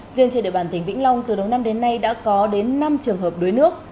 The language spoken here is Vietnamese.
riêng trên địa bàn tỉnh vĩnh long từ đầu năm đến nay đã có đến năm trường hợp đuối nước